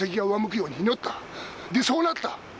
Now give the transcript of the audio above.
でそうなった。